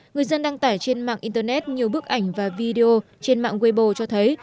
người dân đăng tải trên mạng internet nhiều bức ảnh và video trên mạng webo cho thấy